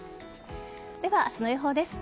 では、明日の予報です。